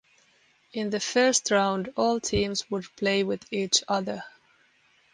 In the first round all teams would play with each other.